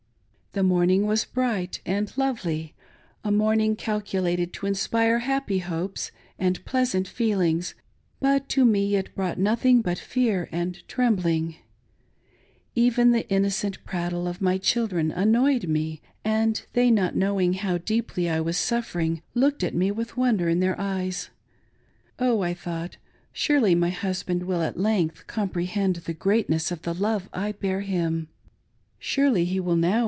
The mprning was bright and lovely — a morning calculated to inspire happy hopes and pleasant feelings ; but to me it t>rought nothing but fea;r and trembling, Even the innocent prattle of my children annoyed me, and they not knowing how deeply I was suffering looked at me with wonder in their eyes. Qh, I thought, surely my husband wilj at length comprehend the greatness of the love I bear him ; surely he will now.